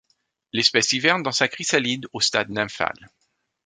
L'espèce hiverne dans sa chrysalide, au stade nymphal.